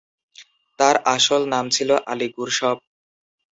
তার আসল নাম ছিল আলি গুরশপ।